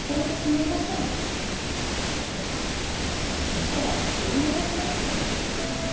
一から作り直します。